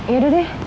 ya udah deh